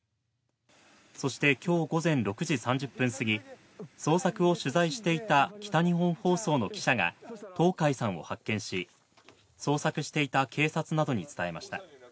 そしてきょう午前６時３０分過ぎ、捜索を取材していた北日本放送の記者が、東海さんを発見し、捜索していた警察などに伝えました。